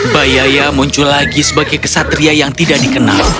bayaya muncul lagi sebagai kesatria yang tidak dikenal